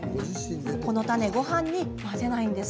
このタネごはんに混ぜないんです。